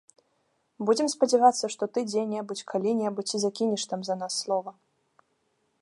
Будзем спадзявацца, што ты дзе-небудзь, калі-небудзь і закінеш там за нас слова.